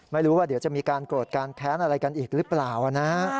ไม่รู้ว่าเดี๋ยวจะมีการโกรธการแค้นอะไรกันอีกหรือเปล่านะ